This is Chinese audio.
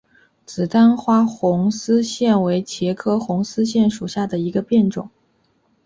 紫单花红丝线为茄科红丝线属下的一个变种。